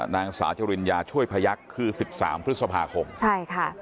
นางสาวจริญญาช่วยพยักษ์คือสิบสามพฤษภาคมใช่ค่ะ